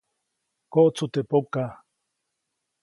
Koʼtsu teʼ pokaʼ.